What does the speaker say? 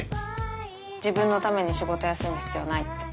自分のために仕事休む必要ないって。